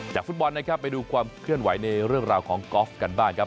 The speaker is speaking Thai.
ฟุตบอลนะครับไปดูความเคลื่อนไหวในเรื่องราวของกอล์ฟกันบ้างครับ